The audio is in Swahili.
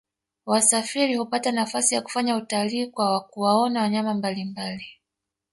wasafiri hupata nafasi ya kufanya utalii kwa kuwaona wanyama mbalimbali